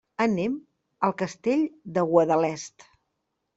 Anem al Castell de Guadalest.